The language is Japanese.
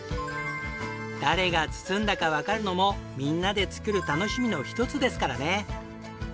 誰が包んだかわかるのもみんなで作る楽しみの一つですからね。